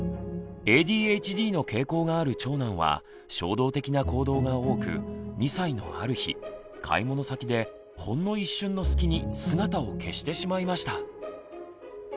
ＡＤＨＤの傾向がある長男は衝動的な行動が多く２歳のある日買い物先でほんの一瞬のすきに姿を消してしまいました。